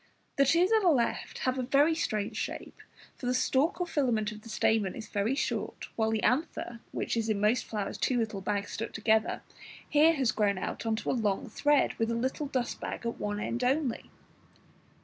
The two that are left have a very strange shape, for the stalk or filament of the stamen is very short, while the anther, which is in most flowers two little bags stuck together, has here grown out into a long thread, with a little dust bag at one end only.